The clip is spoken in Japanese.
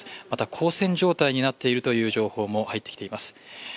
また交戦状態になっているという情報も入ってきています。